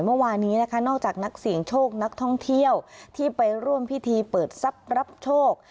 เมื่อวานนี้นะคะนอกจากนักเสี่ยงโชคนักท่องเที่ยวที่ไปร่วมพิธีเปิดทรัพย์รับโชค